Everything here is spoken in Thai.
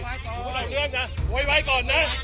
เขาบอกว่าเขาทำผู้ชายด้วยใช่ไหม